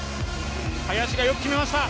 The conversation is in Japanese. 林がよく決めました！